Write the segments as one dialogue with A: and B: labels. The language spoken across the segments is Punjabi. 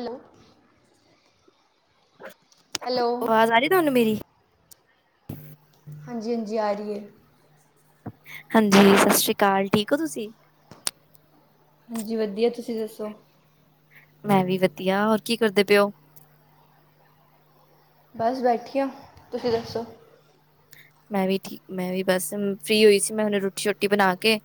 A: ਹੈਲੋ! ਹੈਲੋ
B: ਆਵਾਜ਼ ਆ ਰਹੀ ਤੁਹਾਨੂੰ ਮੇਰੀ?
A: ਹਾਂਜੀ-ਹਾਂਜੀ ਆ ਰੀ ਏ।
B: ਹਾਂਜੀ, ਸਤਿ ਸ੍ਰੀ ਅਕਾਲ, ਠੀਕ ਹੋ ਤੁਸੀਂ?
A: ਹੰਜੀ ਵਧੀਆ, ਤੁਸੀਂ ਦੱਸੋ?
B: ਮੈਂ ਵੀ ਵਧੀਆ, ਹੋਰ ਕੀ ਕਰਦੇ ਪਯੋ ਹੋ?
A: ਬਸ ਬੈਠੀ ਹਾਂ, ਤੁਸੀਂ ਦੱਸੋ?
B: ਮੈਂ ਵੀ ਠੀਕ, ਮੈਂ ਵੀ ਬਸ ਫ੍ਰਰੀ ਹੋਈ ਸੀ, ਮੈਂ ਹੂਣ-ਸੑਰੋਟੀ ਸ਼ੋਟੀ ਬਣਾ ਕੇ।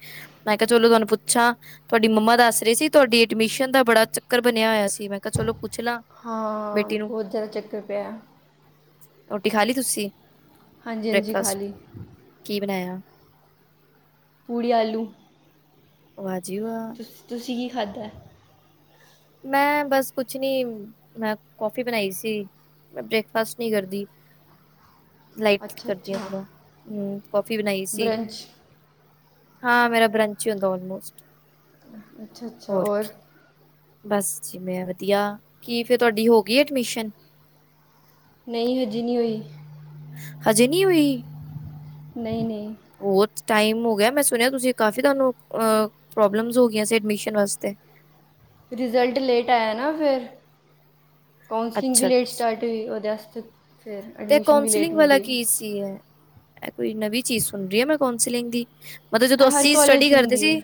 B: ਮੈਂ ਕਿਆ ਚਲੋ, ਤਆਣੁ ਪੁਛਾ ਤੁਹਾਡੀ ਮੰਮਾ ਦੱਸ ਰਹੇ ਸੀ, ਤੁਹਾਡੀ ਐਡਮਿਸ਼ਨ ਦਾ ਬੜਾ ਚੱਕਰ ਬਣਿਆ ਹੋਇਆ ਸੀ। ਮੈਂ ਕਿਹਾ ਚਲੋ ਪੁੱਛ ਲਾਂ।
A: ਹਾਂ,
B: ਬੇਟੀ ਨੂੰ
A: ਬਹੁਤ ਜ਼ਿਆਦਾ ਚੱਕਰ ਪਿਆ।
B: ਰੋਟੀ ਖਾ ਲਈ ਤੁਸੀਂ,
A: ਹਾਂਜੀ ਹਾਂਜੀ ਖਾ
B: ਬ੍ਰੇਕਫਾਸਟ,
A: ਲਈ
B: ਕੀ ਬਣਾਇਆ।
A: ਪੂੜੀ ਆਲੂ।
B: ਵਆ ਜੀ ਵਾਅ।
A: ਤੁਂ ਤੁਸੀਂ ਕੀ ਖਾਧਾ।
B: ਮੈਂ ਬਸ ਕੁਛ ਨੀ ਮੈਂ ਕੋਫੀ ਬਣਾਈ ਸੀ, ਮੈਂ ਬ੍ਰੇਕਫਾਸਟ ਨਈ ਕਰਦੀ। ਲਾਈਟ
A: ਅੱਛਾ
B: ਕਰਦੀ ਆ
A: ਅੱਛਾ
B: ਥੋੜਾ ਹੂੰ ਕਾਫੀ ਬਣਾਈ ਸੀ।
A: ਬਰੰਚ
B: ਹਾਂ ਮੇਰਾ ਬਰੰਚ ਹੀ ਹੁੰਦਾ ਆਲਮੋਸਟ।
A: ਅੱਛਾ-ਅੱਛਾ
B: ਹੋਰ ਕੀ
A: ਔਰ
B: ਬਸ ਜੀ ਮੈਂ ਵਧੀਆ ਕੀ ਫਿਰ ਤੁਹਾਡੀ ਹੋ ਗਈ ਐਡਮਿਸ਼ਨ।
A: ਨਈ ਹਜੀ ਨਈ ਹੋਈ।
B: ਹਜੇ ਨਈ ਹੋਈ।
A: ਨਹੀਂ ਨਹੀਂ।
B: ਬਹੁਤ ਟਾਈਮ ਹੋ ਗਿਆ ਮੈਂ ਸੁਣਿਆ ਤੁਸੀਂ ਕਾਫੀ ਤੁਹਾਨੂੰ ਅਹ ਪ੍ਰੋਬਲਮਸ ਹੋ ਗਈਆਂ ਸੀ ਐਡਮਿਸ਼ਨ ਵਾਸਤੇ।
A: ਰਿਜ਼ਲਟ ਲੇਟ ਆਇਆ ਨਾ ਫਿਰ ਕੌਸਲਿੰਗ ਵੀ
B: ਅੱਛਾ
A: ਲੇਟ
B: ਅੱਛਾ
A: ਸਟਾਰਟ ਟ ਹੋਈ ਉਦੇ ਅਸਤੇ ਫਿਰ ਐਡਮਮੀਸ਼ਨ ਵੀ ਲੇਟ ਹੁੰਦੀ।
B: ਹੁੰਦੀ ਆ, ਐਹ ਕੋਈ ਨਵੀਂ ਚੀਜ਼ ਸੁਣ ਰਹੀ ਹੈ ਮੈਂ ਕੌਂਸਲਿੰਗ ਦੀ। ਮਤਲ ਜਦੋਂ
A: ਇਹ ਹਰ
B: ਅੱਸੀ
A: ਕਾਲਜ
B: ਸਟੱਡੀ
A: 'ਚ
B: ਕਰਦੇ
A: ਹੁੰਦੀ ਹੈ
B: ਸੀ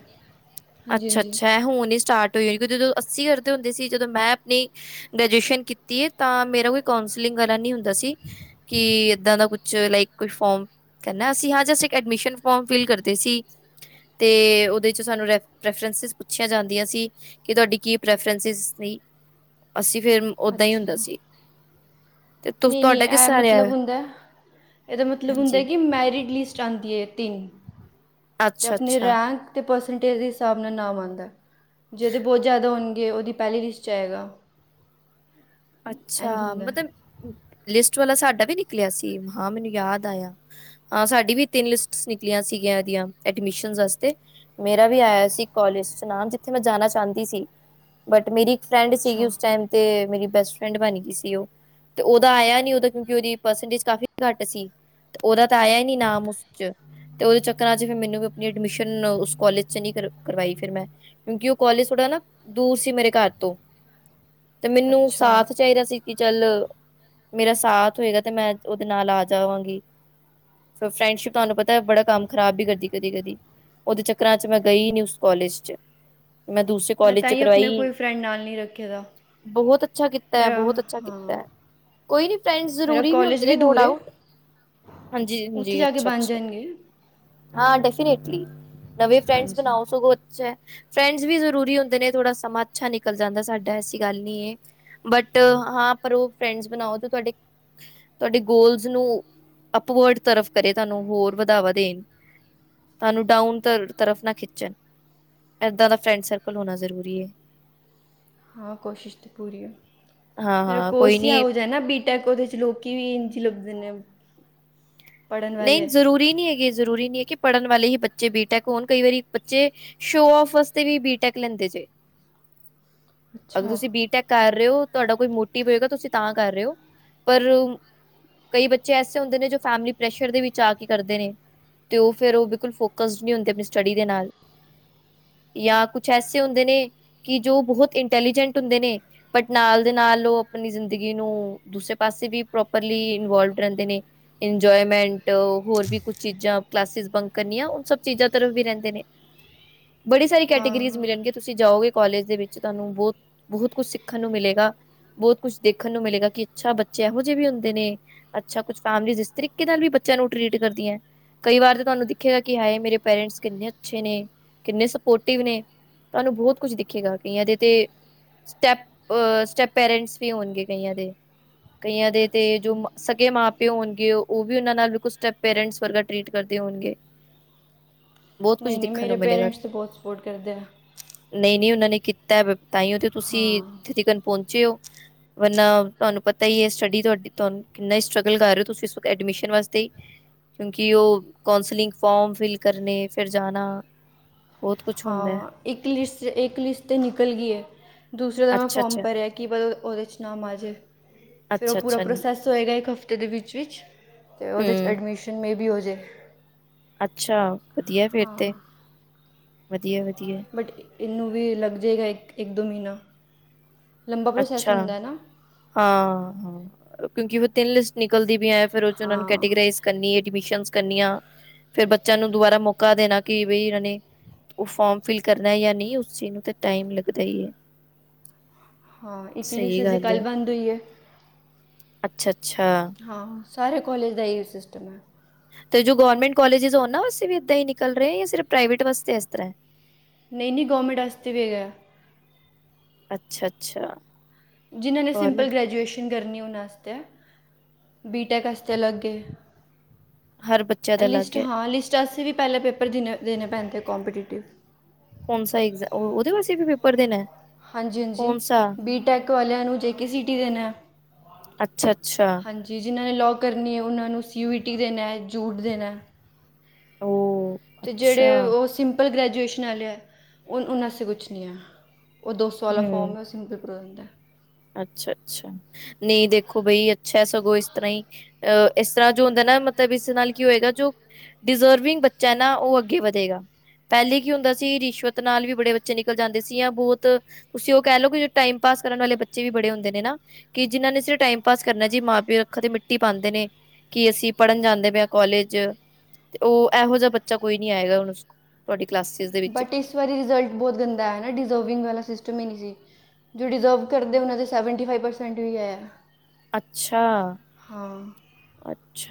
A: ਹਾਂਜੀ
B: ਅੱਛਾ
A: ਹਾਂਜੀ
B: ਅੱਛਾ ਐ ਹੁਣ ਈ ਸਟਾਰਟ ਕਿਉਕ ਜਦੋਂ ਅੱਸੀ ਕਰਦੇ ਹੁੰਦੇ ਸੀ ਜਦੋਂ ਮੈਂ ਆਪਣੀ। ਗ੍ਰਜੂਏਸ਼ਨ ਕੀਤੀਏ ਤਾਂ ਮੇਰਾ ਕੋਈ ਕਾਸਲਿੰਗ ਵਾਲਾ ਨੀ ਹੁੰਦਾ ਸੀ। ਕੀ ਏਦਾਂ ਦਾ ਕੁਛ ਲਾਈਕ ਕੋਈ ਫੋਮ ਕੇਂ ਨਾ ਅਸੀਂ ਹਾਂ ਅਸੀ ਇੱਕ ਐਡਮਿਸ਼ਨ ਫੋਮ ਫਿਲ ਕਰਦੇ ਸੀ। ਤੇ ਉਹਦੇ ਚ ਸਾਨੂੰ ਰੈਫ ਰੈਫਰਸਿਸ ਪੁੱਛੀਆਂ ਜਾਂਦੀਆਂ ਸੀ। ਕਿ ਤੁਹਾਡੀ ਕੀ ਪ੍ਰੈਫਰਸ ਸੀ ਅਸੀਂ ਫਿਰ ਓਦਾਂ ਹੀ ਹੁੰਦਾ ਸੀ। ਤੇ ਤੁ
A: ਨੀ ਨੀ
B: ਤੁਹਾਡਾ ਕਿਸ
A: ਇਹ
B: ਤਰ੍ਹਾਂ ਰਿਹਾ
A: ਮਤਲਬ
B: ਐ?
A: ਹੁੰਦਾ ਇਹਦਾ ਮਤਲਬ ਹੁੰਦਾ
B: ਹਾਂਜੀ,
A: ਕਿ ਮੈਰਿਡ ਲਿਸਟ ਚਾਂਦੀਏ ਤਿੰਨ। ਤੇ ਆਪਣੇ
B: ਅੱਛਾ-ਅੱਛਾ,
A: ਰੈਂਕ ਅਤੇ ਪਰਸੈਂਟੇਜ ਦੇ ਹਿਸਾਬ ਨਾਲ ਨਾਮ ਆਦਾ। ਜ਼ੇਦੇ ਬਹੁਤ ਜ਼ਿਆਦਾ ਹੋਣਗੇ ਉਹਦੀ ਪਹਿਲੀ ਲਿਸਟ 'ਚ ਆਏਗਾ। ਇੰਝ
B: ਅੱਛਾ,
A: ਹੁੰਦਾ ਹੈ
B: ਮਤਲਬ ਲਿਸਟ ਵਾਲਾ ਸਾਡਾ ਵੀ ਨਿਕਲਿਆ ਸੀ ਹਾਂ ਮੈਨੂੰ ਯਾਦ ਆਇਆ। ਹਾਂ ਸਾਡੀ ਵੀ ਤਿੰਨ ਲਿਸਟਸ ਨਿਕਲੀਆਂ ਸੀਗੀਆਂ ਇਹਦੀਆਂ ਐਡਮਿਸ਼ਨ ਵਾਸਤੇ। ਮੇਰਾ ਵੀ ਆਇਆ ਸੀ ਕੋਾਲਜ ਚ ਨਾਮ ਜਿੱਥੇ ਮੈਂ ਜਾਣਾ ਚਾਹੁੰਦੀ ਸੀ ਬਟ ਮੇਰੀ ਫਰੈਂਡ ਸੀਗੀ
A: ਅੱਛਾ
B: ਉਸ ਟਾਈਮ ਤੇ ਮੇਰੀ ਬੈਸਟ ਫਰੈਂਡ ਬਣ ਗਈ ਸੀ ਉਹ, ਤੇ ਓਦਾ ਆਇਆ ਨੀ ਓਦਾ ਕਿਉਂਕਿ ਉਹਦੀ ਪਰਸਟੇਜ ਕਾਫੀ ਘੱਟ ਸੀ। ਤੇ ਉਹਦਾ ਤਾਂ ਆਇਆ ਹੀ ਨੀ ਨਾਮ ਉਸ 'ਚ। ਤੇ ਉਹਦੇ ਚੱਕਰਾਂ'ਚ ਫਿਰ ਮੈਨੂੰ ਵੀ ਆਪਣੀ ਐਡਮਿਸ਼ਨ ਉਸ ਕੋਲਜ ਚ ਨੀ ਕਰਵਾਈ ਫਿਰ ਮੈਂ। ਕਿਉਂਕਿ ਉਹ ਕੋਾਲਜ ਥੋੜਾ ਨਾ ਦੂਰ ਸੀ ਮੇਰੇ ਘਰ ਤੋਂ ਤੇ ਮੈਨੂੰ
A: ਅੱਛਾ
B: ਸਾਥ ਚਾਹੀਦਾ ਸੀ ਕਿ ਚੱਲ ਮੇਰਾ ਸਾਥ ਹੋਏਗਾ ਤੇ ਮੈਂ ਉਹਦੇ ਨਾਲ ਆ ਜਾਵਾਂਗੀ। ਫ਼ਿਰ ਫਰੈਂਡਸ਼ਿਪ ਤੁਹਾਨੂੰ ਪਤਾ ਬੜਾ ਕੰਮ ਖਰਾਬ ਵੀ ਕਰਦੀ ਕਦੀ ਕਦੀ। ਉਹਦੇ ਚੱਕਰਾਂ 'ਚ ਮੈਂ ਗਈ ਨੀ ਉਸ ਕੋਾਲਜ 'ਚ। ਮੈਂ ਦੂਸਰੇ
A: ਮੈਂ
B: ਕੋਲਜ
A: ਤਾਂ
B: ਚ
A: ਹੀ ਆਪਣੇ
B: ਕਰਵਾਈ,
A: ਕੋਈ ਫਰੈਂਡ ਨਾਲ ਨਹੀਂ ਰੱਖੇ ਦਾ
B: ਬਹੁਤ ਛਾ ਕੀਤਾ
A: ਮੇਰਾ
B: ਬਹੁਤ ਅੱਛਾ
A: ਹਾਂ
B: ਕੀਤਾ। ਕੋਈ ਨੀ ਫਰੈਂਡ
A: ਮੇਰਾ
B: ਜ਼ਰੂਰੀ ਵੀ
A: ਕੋਲਜ
B: ਹੁੰਦੇ ਨੇ ਨੋ
A: ਦੂਰ ਹੈ
B: ਡਾਊਟ।
A: ਉੱਥੇ
B: ਹਾਂਜੀ-ਹਾਂਜੀ,
A: ਜਾ ਕੇ ਬਣ
B: ਅੱਛਾ-ਅੱਛਾ।
A: ਜਾਣਗੇ
B: ਹਾਂ ਡੈਫਿਨੇਟਲੀ ਨਵੇਂ ਫ੍ਰੈਂਡਸ
A: ਹਾਂਜੀ
B: ਬਣਾਓ ਸਗੋ ਅੱਛਾ ਹੈ। ਫਰੈਂਡਸ ਵੀ ਜ਼ਰੂਰੀ ਹੁੰਦੇ ਨੇ ਥੋੜਾ ਸਮਾਂ ਅੱਛਾ ਨਿਕਲ ਜਾਂਦਾ ਹੈ ਸਾਡਾ ਐਸੀ ਗੱਲ ਨਹੀਂ ਹੈ। ਬੱਟ ਹਾਂ ਪਰ ਉਹ ਫਰੈਂਡਜ ਬਣਾਓ ਤੇ ਤੁਹਾਡੇ ਤੁਹਾਡੇ ਗੋਲਜ਼ ਨੂੰ ਅਪਵਰਡ ਤਰਫ ਕਰੇ ਤੁਹਾਨੂੰ ਹੋਰ ਵਧਾਵਾ ਦੇਣ। ਤੁਹਾਨੂੰ ਡਾਊਨ ਤਰਫ ਨਾ ਖਿੱਚਣ ਏਦਾ ਦਾ ਫਰੈਂਡ ਸਰਕਲ ਹੋਣਾ ਜ਼ਰੂਰੀ ਹੈ।
A: ਹਾਂ ਕੋਸ਼ਿਸ਼ ਤੇ ਪੂਰੀ ਹੈ ਮੇਰਾ
B: ਹਾਂ-ਹਾਂ ਕੋਈ
A: ਕੋਰਸ ਹੀ ਆ
B: ਨੀ
A: ਹੋ ਜਾ ਨਾ [inaudible] [inaudible] ਉਹਦੇ ਚ ਲੋਕੀ ਵੀ ਇੰਝ ਲੱਭਦੇ ਨੇ। ਪੜ੍ਹਨ
B: ਨਹੀਂ
A: ਵਾਲੇ
B: ਜ਼ਰੂਰੀ ਨਹੀਂ ਹੈਗੀ ਜ਼ਰੂਰੀ ਨਹੀਂ ਹੈ ਕਿ ਪੜ੍ਹਨ ਵਾਲੇ ਹੀ ਬੱਚੇ ਬੀਟੈਕ ਹੋਣ ਕਈ ਵਾਰੀ ਬੱਚੇ ਸ਼ੋ ਔਫ ਵਾਸਤੇ ਵੀ ਬੀਟੈਕ ਲੈਂਦੇ ਜੇ ਅਗਰ
A: ਅੱਛਾ
B: ਤੁਸੀਂ ਬੀ ਟੈਕ ਕਰ ਰਹੇ ਹੋ ਤੁਹਾਡਾ ਕੋਈ ਮੋਟਿਵ ਹੋਏਗਾ ਤੁਸੀਂ ਤਾਂ ਕਰ ਰਹੇ ਹੋ ਪਰ ਕਈ ਬੱਚੇ ਐਸੇ ਹੁੰਦੇ ਨੇ ਜੋ ਫੈਮਿਲੀ ਪ੍ਰੈਸ਼ਰ ਦੇ ਵਿੱਚ ਆ ਕੇ ਕਰਦੇ ਨੇ, ਤੇ ਓਹ ਫੇਰ ਓਹ ਬਿਲਕੁਲ ਫੋਕਸਡ ਨਹੀਂ ਹੁੰਦੇ ਆਪਣੀ ਸਟੱਡੀ ਦੇ ਨਾਲ ਯਾਂ ਕੁਛ ਐਸੇ ਹੁੰਦੇ ਨੇ ਕਿ ਜੋ ਬਹੁਤ ਇੰਟੈਲੀਜੈਂਟ ਹੁੰਦੇ ਨੇ ਬਟ ਨਾਲ ਦੇ ਨਾਲ ਓਹ ਆਪਣੀ ਜ਼ਿੰਦਗੀ ਨੂੰ ਦੂਸਰੇ ਪਾਸੇ ਵੀ ਪ੍ਰੋਪਰਲੀ ਇਨਵੋਲਟ ਰਹਿੰਦੇ ਨੇ ਐਨਜੋਇਮੈਂਟ ਹੋਰ ਵੀ ਕੁਝ ਚੀਜ਼ਾਂ ਕਲਾਸਿਜ ਬੰਕ ਕਰਨੀਆਂ ਓਹ ਸਭ ਚੀਜ਼ਾਂ ਤਰਫ ਵੀ ਰਹਿੰਦੇ ਨੇ ਬੜੀ ਸਾਰੀ ਕੈਟੇਗਰੀਜ਼
A: ਹਾਂ
B: ਮਿਲਣਗੇ ਤੁਸੀਂ ਜਾਓਗੇ ਕਾਲਜ ਦੇ ਵਿੱਚ ਤੁਹਾਨੂੰ ਬਹੁਤ-ਬਹੁਤ ਕੁਛ ਸਿੱਖਣ ਨੂੰ ਮਿਲੇਗਾ ਬਹੁਤ ਕੁਛ ਦੇਖਣ ਨੂੰ ਮਿਲੇਗਾ ਕਿ ਅੱਛਾ ਬੱਚੇ ਐਹੋ ਜੇ ਵੀ ਹੁੰਦੇ ਨੇ ਅੱਛਾ ਕੁਛ ਫੈਮਲੀ ਜੀ਼ਸ ਤਰੀਕੇ ਨਾਲ ਵੀ ਬੱਚਿਆਂ ਨੂੰ ਟਰੀਟ ਕਰਦੀਔਂ ਕਈ ਵਾਰ ਤਾਂ ਤੋਹਾਨੂੰ ਦਿਖੇਗਾ ਕਿ ਹਾਏ ਮੇਰੇ ਪੇਰੈਂਟਸ ਕਿੰਨੇ ਅੱਛੇ ਨੇ ਕਿੰਨੇ ਸਪੋਰਟਿਵ ਨੇ ਤੁਹਾਨੂੰ ਬਹੁਤ ਕੁਝ ਦਿਖੇਗਾ ਕਈਆਂ ਦੇ ਤੇ ਸਟੈਪ ਅ ਸਟੈਪ ਪੇਰੈਂਟਸ ਵੀ ਹੋਣਗੇ ਕਈਆਂ ਦੇ ਕਈਆਂ ਦੇ ਤੇ ਜੋ
A: ਅੱਛਾ
B: ਸਗੇ ਮਾ-ਪਿਓ ਹੋਣਗੇ ਓਹ ਵੀ ਓਹਣਾ ਨਾਲ ਬਿਲਕੁਲ ਸਟੈਪ ਪੇਰੈਂਟਸ ਵਰਗਾ ਟ੍ਰਰੀਟ ਕਰਦੇ ਹੋਣਗੇ। ਬਹੁਤ ਕੁਝ
A: ਨਹੀਂ-ਨਹੀਂ
B: ਦੇਖਣ
A: ਮੇਰੇ ਪੇਰੈਂਟਸ ਤਾਂ ਬਹੁਤ ਸਪੋਰਟ ਕਰਦੇ ਆ।
B: ਨਹੀਂ-ਨੀ ਉਹਨਾਂ ਨੇ ਕੀਤਾ ਤਾਹੀਓ ਤੇ ਤੁਸੀਂ
A: ਹਾਂ
B: ਇਥੇਤਿਕਨ ਪਹੁੰਚੇ ਔ ਵਰਨਾ ਤੁਹਾਨੂੰ ਪਤਾ ਹੀ ਹੈ ਸਟੱਡੀ ਤੁਹਾਡੀ ਤੁਹਾਨੂ ਕਿੰਨਾ ਈ ਸਟ੍ਰਗਲ ਕਰ ਰਹੇ ਹੋ ਤੁਸੀ ਐਡਮਿਸ਼ਨ ਵਾਸਤੇ ਕਿਉਂਕਿ ਉਹ ਕੌਂਸਲਿੰਗ ਫਾਰਮ ਫਿਲ ਕਰਨੇ ਫੇਰ ਜਾਣਾ ਬਹੁਤ ਕੁਛ ਹੁੰਦਾ ਹੈ।
A: ਹਾਂ ਇੱਕ ਲਿਸਟ, ਇੱਕ ਲਿਸਟ ਤੇ ਨਿਕਲ ਗੀ ਏ ਦੂਸਰੇ ਦਾ ਮੈਂ ਫੋਰਮ
B: ਅੱਛਾ-ਅੱਛਾ,
A: ਭਰਿਆ ਕੀ ਪਤਾ ਓਹਦੇ ਚ ਨਾਾਮ ਆਜੇ ਫਿਰ ਓਹ ਪੂਰਾ
B: ਅੱਛਾ-ਅੱਛਾ
A: ਪ੍ਰੋਸੈਸ ਹੋਏਗਾ ਇੱਕ ਹਫ਼ਤੇ ਦੇ ਵਿੱਚ-ਵਿੱਚ ਤੇ ਓਹਦੇ ਚ
B: ਹੂੰ
A: ਐਡਮਿਸ਼ਨ ਮੇ ਬੀ ਹੋਜੇ।
B: ਅੱਛਾ ਵਧੀਆ ਫੇਰ ਤੇ, ਵਧੀਆ-ਵਧੀਆ
A: ਬਟ ਇਹਨੂੰ ਵੀ ਲੱਗ ਜਾਏਗਾ ਇੱਕ, ਇੱਕ-ਦੋ ਮਹੀਨਾ ਲੰਬਾ ਪ੍ਰੋਸੈਸ
B: ਅੱਛਾ,
A: ਹੁੰਦਾ ਹੈ ਨਾ
B: ਹਾਂ-ਹਾਂ ਕਉਂਕਿ ਓਹ ਤਿੰਨ ਲਿਸਟ ਨਿਕਲਦੀ ਪੀਐ ਫੇਰ ਓਦੇਚ ਉਹਣਾ ਨੂੰ
A: ਹਾਂ
B: ਕੈਟੀਗਰਾਈਜ਼ ਕਰਨੀ ਐਡਮਿਸ਼ਨ ਕਰਨੀਆਂ, ਫੇਰ ਬੱਚਿਆਂ ਨੂੰ ਦੁਬਾਰਾ ਮੌਕਾ ਦੇਣਾ ਕਿ ਬਈ ਇਹਨਾਂ ਨੇ ਓਹ ਫੋਰਮ ਫਿਲ ਕਰਨਾ ਯਾ ਨਹੀਂ ਉਸ ਚੀਜ਼ ਨੂੰ ਤੇ ਟਾਈਮ ਲੱਗਦਾ ਹੀ ਹੈ।
A: ਹਾਂ ਇਟਲੀ ਚ
B: ਸਹੀ
A: ਅਜੇ
B: ਗੱਲ
A: ਕੱਲ ਬੰਦ ਹੋਈ ਐ
B: ਅੱਛਾ-ਅੱਛਾ
A: ਹਾਂ ਸਾਰੇ ਕੋਲੇਜ ਦਾ ਇਹੀਓ ਸਿਸਟਮ ਹੈ।
B: ਤੇ ਜੋ ਗੌਰਮੈਂਟ ਕਾਲੇਜਿਸ ਓਹਨਾਂ ਵਾਸਤੇ ਵੀ ਏਦਾਂ ਹੀ ਨਿਕਲ ਰਹੇ ਯਾ ਸਿਰਫ ਪ੍ਰਾਈਵੇਟ ਵਾਸਤੇ ਇਸ ਤਰ੍ਹਾਂ ਹੈ?
A: ਨਹੀਂ- ਨਹੀਂ ਗੌਰਮੈਂਟ ਆਸਤੇ ਵੀ ਹੈਗਾ
B: ਅੱਛਾ-ਅੱਛਾ
A: ਜਿਨ੍ਹਾਂ ਨੇ ਸਿੰਪਲ ਗ੍ਰੈਜੂਏਸ਼ਨ ਕਰਨੀ ਉਹਣਾ ਆਸਤੇ ਐ ਬੀਟੈਕ ਆਸਤੇ ਅਲੱਗ ਏ
B: ਹਰ ਬੱਚੇ ਦਾ
A: ਲਿਸਟ
B: ਅਲੱਗ ਹੈ
A: ਹਾਂ ਲਿਸਟ ਅਸੀ ਵੀ ਪੈਲੇ ਪੇਪਰ ਦੇਣੇ-ਦੇਣੇ ਪੈਂਦੇ ਕੰਪੀਟੀਟਿਵ
B: ਕੌਣਸਾ ਐਗਜ਼ਾ ਓ ਓਹਦੇ ਵਾਸਤੇ ਵੀ ਪੇਪਰ ਦੇਣੈ?
A: ਹਾਂਜੀ-ਹਾਂਜੀ, ਬੀਟੈਕ ਵਾਲਿਆਂ ਨੂੰ ਜੇ ਕੇ ਸੀ ਟੀ ਦੇਣੈ।
B: ਅੱਛਾ, ਅੱਛਾ।
A: ਹਾਂਜੀ, ਜਿਨ੍ਹਾਂ ਨੇ ਲੋਅ ਕਰਨੀ ਏ ਓਹਨਾਂ ਨੂੰ ਸੀ ਵੀ ਟੀ ਦੇਣੈ, ਜੂਟ ਦੇਣੈ।
B: ਓਹ
A: ਤੇ ਜੇੜੇ ਓਹ ਸਿੰਪਲ ਗ੍ਰੈਜੂਏਸ਼ਨ ਆਲੇ ਐ ਓਨ ਉਹਨਾਂ ਆਸੇ ਕੁਛ ਨੀ ਐ। ਓਹ ਦੋ ਸੌ ਆਲਾ ਫੋਰਮ ਏ, ਓਸੀ ਮੇ ਪੋਪਰ ਹੋ ਜਾਂਦੈ।
B: ਅੱਛਾ ਅੱਛਾ, ਨੀ ਦੇਖੋ ਬਈ ਅੱਛਾ ਸਗੋਂ ਇਸ ਤਰ੍ਹਾਂ ਈ ਅਹ ਇਸ ਤਰ੍ਹਾਂ ਜੋ ਹੁੰਦੈ ਨਾ ਮਤਲਬ ਇਸ ਦੇ ਨਾਲ ਕੀ ਹੋਏਗਾ ਜੋ ਡਿਜ਼ਰਵਿੰਗ ਬੱਚੈ ਨਾ ਓਹ ਅੱਗੇ ਵਧੇਗਾ। ਪੈਲੇ ਕੀ ਹੁੰਦਾ ਸੀ ਰਿਸ਼ਵਤ ਨਾਲ ਵੀ ਬੜੇ ਬੱਚੇ ਨਿਕਲ ਜਾਂਦੇ ਸੀ ਯਾ ਬੌਤ ਤੁਸੀਂ ਓਹ ਕੈ ਲੋ ਕਿ ਟਾਈਮ ਪਾਸ ਕਰਨ ਵਾਲੇ ਬੱਚ ਚੇ ਵੀ ਬੜੇ ਹੁੰਦੇ ਨੇ ਨਾ ਕਿ ਜਿਨਾ ਨੇ ਸਿਰਫ ਟਾਈਮ ਪਾਸ ਕਰਨੈ ਜੀ। ਮਾਂ-ਪਿਓ ਅੱਖਾਂ ਤੇ ਮਿੱਟੀ ਪਾਂਦੇ ਨੇ। ਕਿ ਅਸੀਂ ਪੜ੍ਹਨ ਜਾਂਦੇ ਪੇ ਆਂ ਕੋਲੇਜ ਤੇ ਓਹ ਐਹੋ ਜੇਆ ਬੱਚਾ ਕੋਈ ਨੀ ਆਏਗਾ ਹੁਣ ਸਕੁ ਤੁਆਡੀ ਕਲਾਸਿਸ ਦੇ ਵਿੱਚ।
A: ਬਟ ਇਸ ਵਾਰੀ ਰਿਜ਼ਲਟ ਬੌਤ ਗੰਦਾ ਆਯਾ ਐ ਨਾ, ਡਿਜ਼ਰਵਿੰਗ ਵਾਲਾ ਸਿਸਟਮ ਈ ਨੀ ਸੀ। ਜੋ ਡਿਜ਼ਰਵ ਕਰਦੇ ਆ ਓਹਨਾਂ ਦੇ ਸੈਵਨਟੀ ਫਾਈਵ ਪਰਸੈਂਟ ਵੀ ਆਏ ਆ।
B: ਅੱਛਾ।
A: ਹਾਂ,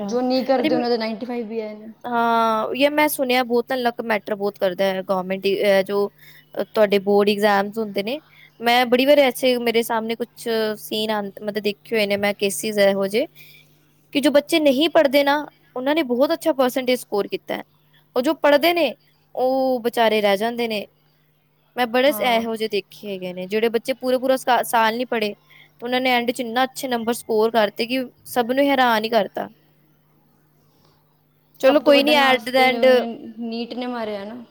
A: ਜੋ ਨੀ
B: ਅਰੇ
A: ਕਰਦੇ ਉਹਨਾਂ ਦਾ ਨਾਈਨਟੀ ਫਾਈਵ ਵੀ ਆਏ ਨੇ।
B: ਹਾਂ, ਯਾਰ ਮੈਂ ਸੁਣਿਐ ਬੌਤ ਨਾ ਲਕ ਮੈਟਰ ਬੌਤ ਕਰਦੈ ਗੌਰਮੈਂਟ ਐ ਜੋ ਅ ਤੁਐਡੇ ਬੋਰਡ ਇਗਜ਼ਾਮਸ ਹੁੰਦੇ ਨੇ। ਮੈਂ ਬੜੀ ਵਾਰ ਐਸੇ ਮੇਰੇ ਸਾਮਣੇ ਕੁਛ ਸੀਨ ਆਣ ਮਤਲਬ ਦੇਖੇ ਹੋਏ ਨੇ ਮੈਂ ਕੇਸਿਸ ਐਹੋ ਜੇ ਕਿ ਜੋ ਬੱਚੇ ਨਹੀਂ ਪੜ੍ਹਦੇ ਨਾ, ਓਨਾਂ ਨੇ ਬੌਤ ਅੱਛਾ ਪਰਸਂਟੇਜ ਸਕੋਰ ਕੀਤੈ। ਓਹ ਜੋ ਪੜ੍ਹਦੇ ਨੇ, ਓਹ ਵਿਚਾਰੇ ਰੈਹ ਜਾਂਦੇ ਨੇ। ਮੈਂ ਬੜੇ
A: ਹਾਂ
B: ਐਹੋ ਜੇ ਦੇਖੇ ਹੈਗੇ ਨੇ, ਜੇੜੇ ਬੱਚੇ ਪੂਰਾ-ਪੂਰਾ ਸਾਲ ਨੀ ਪੜ੍ਹੇ। ਉਹਨਾ ਨੇ ਐਂਡ ਇਚ ਇੰਨਾ ਅੱਛੇ ਨੰਬਰ ਸਕੋਰ ਕਾਰਤੇ ਕਿ, ਸਭ ਨੂੰ ਹੈਰਾਨ ਈ ਕਰਤਾ। ਚਲੋ
A: ਸਭ ਤੋਂ
B: ਕੋਈ ਨੀ
A: ਵੱਡਾ ਨਾਸ
B: ਐਟ ਦਾ
A: ਤੇ ਨੇ
B: ਐਂਡ
A: ਓਹਨੇ, ਨੀਟ ਨੇ ਮਾਰਿਐ ਨਾ।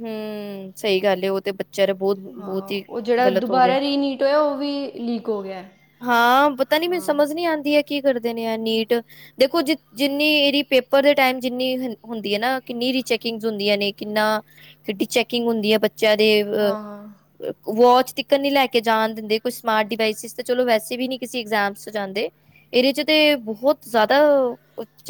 B: ਹੂੰ, ਸਹੀ ਗੱਲ ਏ ਓਹ ਤੇ ਬੱਚਿਆਂ ਦੇ ਬੋਤ
A: ਹਾਂ, ਓਹ ਜੇੜਾ ਦੁਬਾਰਾ ਰੀਨੀਟ ਹੋਇਐ ਓਹ ਵੀ ਲੀਕ ਹੋ ਗਿਐ।
B: ਹਾਂ, ਪਤਾ ਨੀ ਮੈਨੂੰ ਸਮਝ ਨੀ ਆਂਦੀ, ਐ ਕੀ ਕਰਦੇ ਨੇ ਐ ਨੀਟ ਦੇਖੋ ਜ ਜਿੰਨੀ ਏਰੀ ਪੇਪਰ ਦੇ ਟੈਮ ਜਿੰਨੀ ਹੁੰਦੀ ਏ ਨਾ, ਕਿੰਨੀ ਰਿਚੈਕਿੰਗਸ ਹੁੰਦੀਆਂ ਨੇ ਕਿੰਨਾ ਕਿਡੀ ਚੈਕਿੰਗ ਹੁੰਦੀ ਏ ਬੱਚਿਆਂ ਦੀ ਅ
A: ਹਾਂ ਹਾਂ
B: ਵੋਚ ਤਿਕਣ ਨੀ ਲੈ ਕੇ ਜਾਣ ਦਿੰਦੇ, ਕੋਈ ਸਮਾਰਟ ਡਿਵਾਈਸਿਸ ਤੇ ਚਲੋ ਵੈਸੇ ਵੀ ਨੀ ਕਿਸੀ ਇਗਜ਼ੈਮਸ ਚ ਜਾਂਦੇ। ਇਰੇ ਚ ਤੇ ਬਹੋਤ ਜੈਦਾ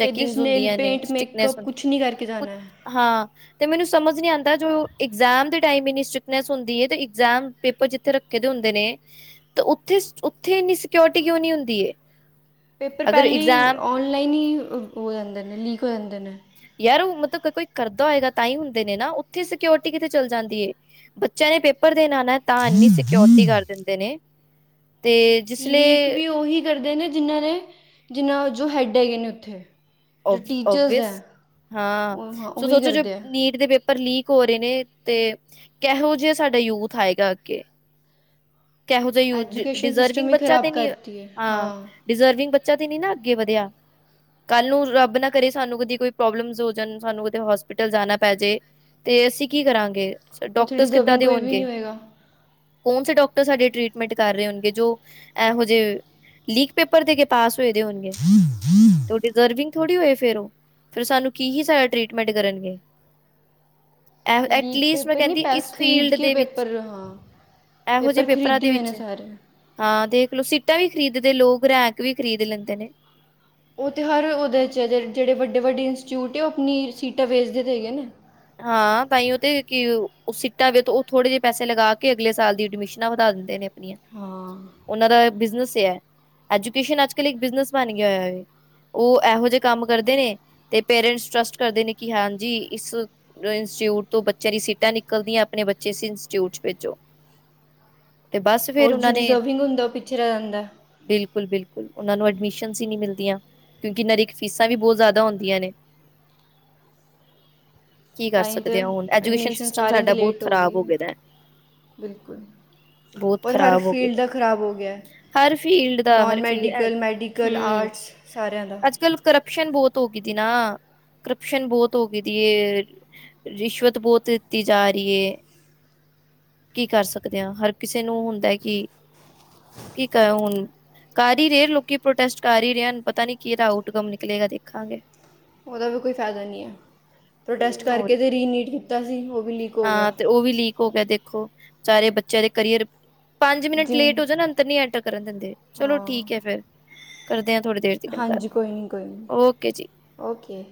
A: ਇਹਦੇ ਸਨੇਲ
B: ਹੁੰਦੀਆ ਨੇ,
A: ਪੇਂਟ
B: ਸਟਿਕਨੈਸ
A: ਮੇਕਅਪ ਕੁਛ ਨਹੀਂ ਕਰਕੇ
B: ਹੁੰਦ--ਕੁ
A: ਜਾਣਾ ਹੈ
B: ਹਾਂ ਤੇ ਮੈਨੂ ਸਮਜ ਨੀ ਆਂਦਾ ਜੋ ਇਗਜਾਮ ਦੇ ਟਾਈਮ ਇਨੀ ਸਟਰਿਕਨੈਸ ਹੁੰਦੀ ਏ ਤੇ ਇਗਜਾਮ ਪੇਪਰ ਜਿਥੇ ਰਖੇ ਦੇ ਹੁੰਦੇ ਨੇ ਤੇ ਉਥੇ, ਉੱਥੇ ਇੰਨੀ ਸਿਕਿਉਰਿਟੀ ਕਿਉਂ ਨੀ ਹੁੰਦੀ ਏ।
A: ਪੇਪਰ
B: ਅਗਰ
A: ਪੈਲੇ ਈ
B: ਇਗਜ਼ਾਮ
A: ਔਨਲਾਈਨ ਈ ਹੋ ਜਾਂਦੇ ਨੇ, ਲੀਕ ਹੋ ਜਾਂਦੇ ਨੇ।
B: ਯਾਰ ਉਹ ਮਤਲਬ ਕ ਕੋਈ ਕਰਦਾ ਹੋਏਗਾ ਤਾਂ ਈ ਹੁੰਦੇ ਨੇ ਨਾ। ਉੱਥੇ ਸਿਕਿਓਰਿਟੀ ਕਿਥੇ ਚੱਲ ਜਾਂਦੀ ਏ? ਬੱਚਿਆਂ ਨੇ ਪੇਪਰ ਦੇਣ ਆਨੈ ਤਾਂ ਇਨੀ ਸਕਿਓਰਿਟੀ ਕਰ ਦਿੰਦੇ ਨੇ। ਤੇ ਜਿਸ
A: ਲੀਕ
B: ਲਈ
A: ਵੀ ਓਹੀ ਕਰਦੇ ਨੇ ਜਿਨ੍ਹਾਂ ਨੇ, ਜਿੰਨ੍ਹਾਂ ਜੋ ਹੈੱਡ ਹੈਗੇ ਨੇ ਉੱਥੇ। ਜੋ ਟੀਚਰਸ ਹੈ
B: ਓਵ-ਓਵਿਅਸ, ਹਾਂ
A: ਉਹ ਹਾਂ
B: ਸੋ
A: ਉਹੀ
B: ਸੋਚੋ ਜੋ
A: ਕਰਦੇ ਆ
B: ਨੀਟ ਦੇ ਪੇ ਪਰ ਲੀਕ ਹੋ ਰੇ ਨੇ ਤੇ ਕੈਹੋ ਜਾ ਸਾਡਾ ਯੂਥ ਆਏਗਾ ਅੱਗੇ। ਕੈਹੋ ਜਾ ਯੂਥ
A: ਐਜੂਕੇਸ਼ਨ
B: ਡਿ-ਡਿਜ਼ਰਵਿੰਗ
A: ਸਿਸਟਮ ਹੀ
B: ਬੱਚਾ ਤੇ
A: ਖਰਾਬ
B: ਨੀ,
A: ਕਰਤੀ ਹੈ
B: ਆਂ।
A: ਹਾਂ
B: ਡਿਜ਼ਰਵਿੰਗ ਬੱਚਾ ਤੇ ਨੀ ਨਾ ਅੱਗੇ ਵਧਿਆ। ਕੱਲ ਨੂੰ ਰਬ ਨਾ ਕਰੇ ਸਾਨੂੰ ਕਦੀ ਕੋਈ ਪ੍ਰੋਬਲਮਸ ਹੋ ਜਾਣ, ਸਾਨੂੰ ਕਦੇ ਹੋਸਪਿਟਲ ਜਾਨਾ ਪੈਜੇ ਤੇ ਅਸੀਂ ਕੀ ਕਰਾਂਗੇ?
A: ਉੱਥੇ
B: ਡੋਕਟਰਸ ਕਿੱਦਾਂ
A: ਡਿਜ਼ਰਵਿੰਗ
B: ਦੇ
A: ਕੋਈ ਵੀ ਨਹੀਂ
B: ਹੋਣਗੇ,
A: ਹੋਏਗਾ
B: ਕੌਣ ਸੇ ਡੋਕ ਟਰ ਸਾਡੇ ਟ੍ਰੀਟਮੈਂਟ ਕਰ ਰਹੇ ਹੋਨਗੇ, ਜੋ ਐਹੋ ਜੇ ਲੀਕ ਪੇਪਰ ਦੇਕੇ ਪਾਸ ਹੋਏ ਦੇ ਹੋਣਗੇ, ਓ ਡਿਜ਼ਰਵਿੰਗ ਥੋੜ੍ਹੀ ਹੋਏ ਫੇਰ ਓ, ਫਿਰ ਸਾਨੂੰ ਕੀ ਹੀ ਸਾਡਾ ਟ੍ਰੀਟਮੈਂਟ ਕਰਨਗੇ। ਐਹੋ
A: ਲੀਕ
B: ਐਟਲੀਸਟ ਮੈਂ
A: ਪੇਪਰ ਨਹੀਂ
B: ਕੇਂਦੀ,
A: ਪੈ
B: ਇਸ
A: ਖਰੀਦ
B: ਫੀਲਡ
A: ਕੇ
B: ਦੇ ਵਿੱਚ,
A: ਪੇਪਰ ਹਾਂ
B: ਐਹੋ ਜੇ
A: ਪੇਪਰ
B: ਪੇਪਰਾਂ
A: ਖਰੀਦੇ
B: ਦੇ
A: ਹੋਏ ਨੇ
B: ਵਿੱਚ,
A: ਸਾਰੇ
B: ਹਾਂ ਦੇਖ ਲੋ ਸੀਟਾਂ ਵੀ ਖਰੀਦਦੇ ਲੋਕ, ਰੈਂਕ ਵੀ ਖਰੀਦ ਲੈਂਦੇ ਨੇ।
A: ਉਹ ਤੇ ਹਰ ਉਹਦੇ ਚ ਏ 'ਜੇਹੜੇ ਵੱਡੇ- ਵੱਡੇ ਇੰਸਟੀਊਟ ਏ, ਉਹ ਆਪਣੀ ਸੀਟਾਂ ਵੇਚਦੇ ਤੇ ਹੈਗੇ ਨੇ।
B: ਹਾਂ, ਤਾਂਈਉ ਤੇ ਕੀ ਉ ਸਿਟਾਂ ਵੇ, ਉ ਥੋੜੇ ਜੇ ਪੈਸੇ ਲਗਾ ਕੇ ਅਗਲੇ ਸਾਲ ਦੀ ਐਡਮਿਸ਼ ਨਾ ਵਧਾ ਦਿੰਦੇ ਨੇ ਆਪਣੀਆਂ।
A: ਹਾਂ
B: ਉਹਨਾ ਦਾ ਬਿਜਨਸ ਏ ੲੈ, ਐਜੂਕੇਸ਼ਨ ਅਜ-ਕਲ ਇਕ ਬਿਜਨਸ ਬਨ ਗਿਆ ਹੋਇਆ ਏ। ਉਹ ੲੈਹੋ ਜੇ ਕੰਮ ਕਰਦੇ ਨੇ, ਤੇ ਪੇਰੈਂਟਸ ਟਰਸਟ ਕਰਦੇ ਨੇ ਕਿ ਹਾਂਜੀ ਇਸ ਇੰਸਟੀਚਿਊਟ ਤੋਂ ਬੱਚਿਆਂ ਦੀ ਸੀਟਾਂ ਨਿਕਲਦੀਆਂ, ਆਪਣੇ ਬੱਚੇ ਇਸ ਇੰਸਚਿਊਟ ਚ ਭੇਜੋ। [inaudible] ਫੇਰ
A: ਹੋਰ ਜੋ ਡਿਜ਼ਰਵਿੰਗ ਹੁੰਦਾ, ਓ ਪਿੱਛੇ ਰੈ ਜਾਂਦਾ।
B: ਬਿਲਕੁਲ-ਬਿਲਕੁਲ ਓਨਾਂ ਨੂੰ ਐਡਮਿਸ਼ਨਸ ਹੀ ਨਹੀਂ ਮਿਲਦੀਆਂ, ਕਿਉਂਕਿ ਇਹਨਾਂ ਦੀ ਫੀਸਾਂ ਵੀ ਬੋਤ ਜ਼ਾਦਾ ਹੁੰਂਦੀਆਂ ਨੇ। ਕੀ ਕਰ
A: ਤਾਂਈ ਤੇ,
B: ਸਕਦੇ ਆ ਹੁਣ ਐਜੂਕੇਸ਼ਨ
A: ਐਡਮਿਸ਼ਨ
B: ਸਿਸਟਮ
A: ਸਾਰਿਆਂ ਦੀ
B: ਸਾਡਾ ਬਹੁਤ
A: ਲੇਟ ਹੋ ਗਈ
B: ਖ਼ਰਾਬ
A: ਏ
B: ਗਿਆ ਦਾ
A: ਬਿਲਕੁਲ।
B: ਬਹੁਤ
A: ਔਰ ਹਰ
B: ਖ਼ਰਾਬ ਹੋ ਗਿਆ
A: ਫੀਲਡ ਦਾ ਖਰਾਬ ਹੋ ਗਿਆ ਐ।
B: ਹਰ ਫੀਲਡ ਦਾ ਹਰ
A: ਨੋਨ
B: ਫੀਲ
A: ਮੈਡੀਕਲ, ਮੈਡੀਕਲ, ਆਰਟਸ ਸਾਰੇਆਂ ਦਾ।
B: ਅਜ -ਕੱਲ ਕਰਪਸ਼ਨ ਬੋਤ ਹੋ ਗਈ ਦੀ ਨਾ, ਕਰਪਸ਼ਨ ਬੋਤ ਹੋ ਗਈ ਦੀ ਏ। ਰਿਸ਼ਵਤ ਬੋਤ ਦਿੱਤੀ ਜਾ ਰਈ ਏ। ਕੀ ਕਰ ਸਕਦੇ ਆ, ਹਰ ਕਿਸੇ ਨੂੰ ਹੁੰਦਾ ਕਿ, ਕੀ ਕ ਹੁਣ ਕਰ ਈ ਰਏ ਲੋਕੀ ਪ੍ਰੋਟੈਸਟ ਕਰ ਈ ਰਏ, ਪਤਾ ਨੀ ਕੀ ਏਦਾ ਆਊਟਕਮ ਨਿਕਲੇਗਾ ਦੇਖਾਂਗੇ।
A: ਓਦਾ ਵੀ ਕੋਈ ਫਾਇਦਾ ਨਈ ਏ, ਪ੍ਰੋਟੈਸਟ
B: ਹੋਰ
A: ਕਰਕੇ ਤਾਂ ਰੀਨੇਟ ਕੀਤਾ ਸੀ, ਓ।
B: ਹਾਂ ਤੇ ਓ ਵੀ ਲੀਕ ਹੋ ਗੇਆ ਦੇਖੋ, ਵਿਚਾਰੇ ਬੱਚੇਆਂ ਦੇ ਕਰੀਅਰ ਪੰਜ ਮਿੰਟ ਲੇਟ
A: ਜਿਨ
B: ਹੋ ਜਾ ਅੰਦਰ ਨਈ ਐਂਟਰ ਕਰਨ ਦਿੰਦੇ, ਚਲੋ
A: ਹਾਂ
B: ਠੀਕ ਏ ਫੇਰ ਕਰਦੇ ਆਂ ਥੋੜ੍ਹੀ ਦੇਰ ਤੀਕਨ ਗੱਲ
A: ਹਾਂਜੀ ਕੋਈ ਨਈ, ਕੋਈ ਨਈ
B: ਓਕੇ ਜੀ
A: ਓਕੇ।